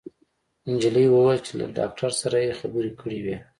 انجلۍ وويل چې له داکتر سره يې خبرې کړې وې